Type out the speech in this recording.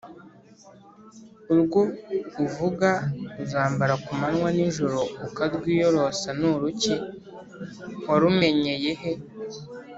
urwo uvuga uzambara ku manywa nijoro ukarwiyoroza ni uruki warumenyeye he?”